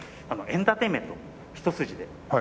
エンターテインメント。